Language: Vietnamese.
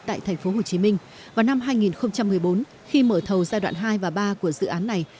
tại tp hcm vào năm hai nghìn một mươi bốn khi mở thầu giai đoạn hai và ba của dự án này